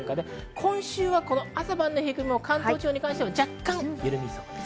今週は朝晩の冷え込み、関東地方に関しては若干緩みそうです。